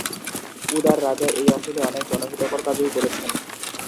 উদার রাজা এই অঞ্চলে অনেক জনহিতকর কাজও করেছেন।